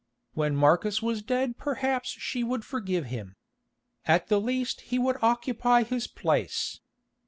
When Marcus was dead perhaps she would forgive him. At the least he would occupy his place.